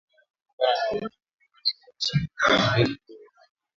Kulingana na takwimu za Januari elfu mbili ishirini na mbili kutoka Benki Kuu ya Uganda,,